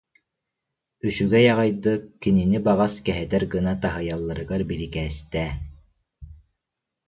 Үчүгэй аҕайдык, кинини баҕас кэһэтэр гына таһыйалларыгар бирикээстээ